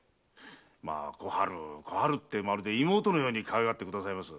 まあ「小春小春」ってまるで妹のようにかわいがってくださいまして。